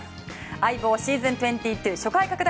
「相棒ｓｅａｓｏｎ２２」初回拡大